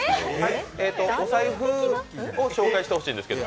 えーと、お財布を紹介してほしいんですけど。